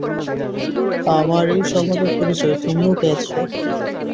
আমার এই স্বভাবের পরিচয় তুমিও পেয়েছ।